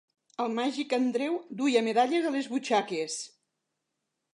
El Màgic Andreu duia medalles a les butxaques.